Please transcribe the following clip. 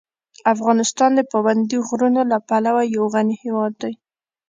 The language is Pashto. افغانستان د پابندي غرونو له پلوه یو غني هېواد دی.